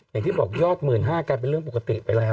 อย่างที่บอกยอด๑๕๐๐กลายเป็นเรื่องปกติไปแล้ว